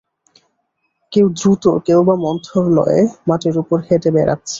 কেউ দ্রুত কেউবা মন্থর লয়ে মাটির উপর হেঁটে বেড়াচ্ছে।